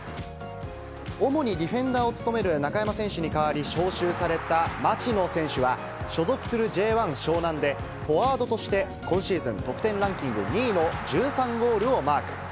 主にディフェンダーを務める中山選手に代わり、招集された町野選手は、所属するＪ１・湘南でフォワードとして今シーズン得点ランキング２位の１３ゴールをマーク。